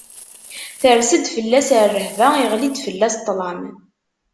Ters-d fell-as rrehba, iɣli-d fell-as ṭṭlam.